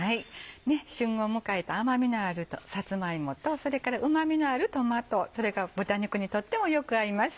旬を迎えた甘みのあるさつま芋とそれからうまみのあるトマトそれが豚肉にとってもよく合います。